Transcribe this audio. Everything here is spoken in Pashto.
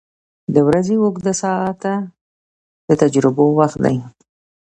• د ورځې اوږده ساعته د تجربو وخت دی.